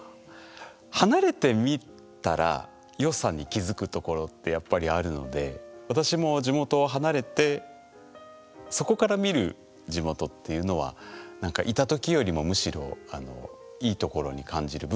離れてみたらよさに気付くところってやっぱりあるので私も地元を離れてそこから見る地元っていうのはなんかいたときよりもむしろいいところに感じる部分もありますね。